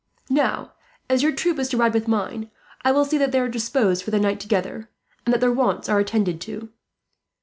"Now, as your troop is to ride with mine, I will see that they are disposed for the night together, and that their wants are attended to.